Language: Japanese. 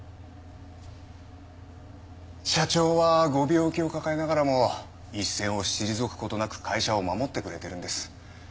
社長はご病気を抱えながらも一線を退く事なく会社を守ってくれているんです。